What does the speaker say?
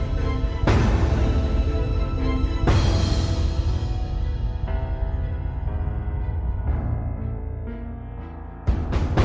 และหละหน่าอำนาจ